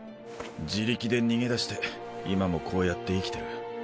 自力で逃げ出して今もこうやって生きてる。